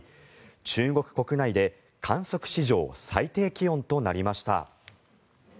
中国国内で観測史上最低気温となりました。